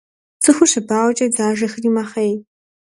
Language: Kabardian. Цӏыхур щыбауэкӏэ дзажэхэри мэхъей.